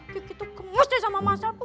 kiki tuh gemes deh sama mas al bu